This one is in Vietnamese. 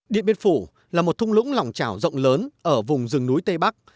điện biên phủ là một thung lũng lòng trào rộng lớn ở vùng rừng núi tây bắc